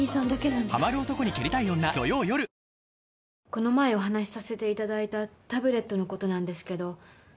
この前お話しさせて頂いたタブレットの事なんですけど。